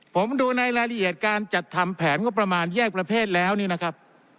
ผมดูในรายละเอียดการจัดทำแผนงบประมาณแยกประเภทแล้วนี่นะครับ